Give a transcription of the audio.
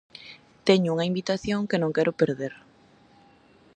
Teño unha invitación que non quero perder.